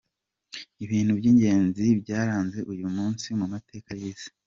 Ibintu by’ingenzzi byaranze uyu munsi mu mateka y’isi:.